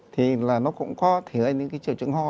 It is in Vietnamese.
thì là nó cũng có thiếu những cái triều chứng ho